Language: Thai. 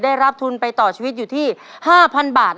ได้รับทุนไปต่อชีวิตอยู่ที่๕๐๐๐บาท